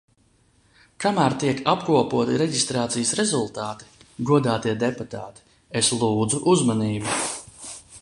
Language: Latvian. Kamēr tiek apkopoti reģistrācijas rezultāti, godātie deputāti, es lūdzu uzmanību!